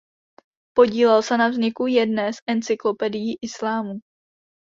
Podílel se na vzniku jedné z encyklopedií islámu.